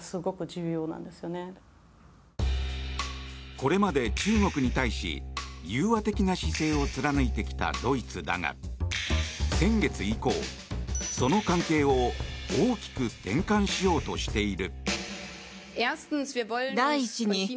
これまで中国に対し融和的な姿勢を貫いてきたドイツだが先月以降、その関係を大きく転換しようとしている。